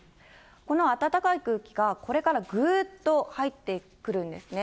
この暖かい空気がこれからぐっと入ってくるんですね。